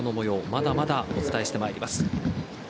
まだまだお伝えしてまいります。